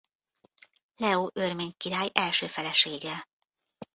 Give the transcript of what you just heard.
Leó örmény király első felesége.